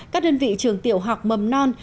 các đơn vị trường tiểu học mầm non